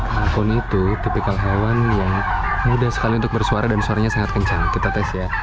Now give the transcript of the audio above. alkohoni itu tipikal hewan yang mudah sekali untuk bersuara dan suaranya sangat kencang kita tes ya